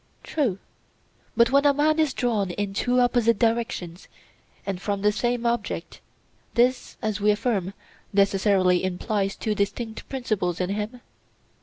True. But when a man is drawn in two opposite directions, to and from the same object, this, as we affirm, necessarily implies two distinct principles in him?